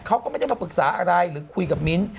เขาก็ไม่ได้มาปรึกษาอะไรหรือคุยกับมิ้นท